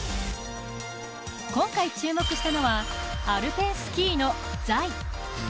今回注目したのは、アルペンスキーの座位。